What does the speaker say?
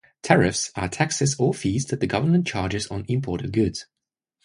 Tariffs are taxes or fees that the government charges on imported goods.